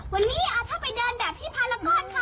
วันนี้อาท่าไปเดินแบบพี่พาระกอลค่ะ